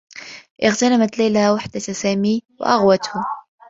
اغتنمت ليلى وحدة سامي و أغوته.